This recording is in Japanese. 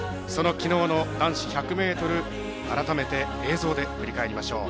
きのうの男子１００ｍを改めて、映像で振り返りましょう。